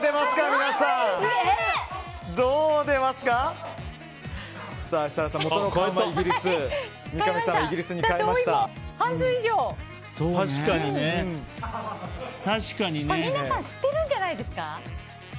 皆さん知ってるんじゃないですか？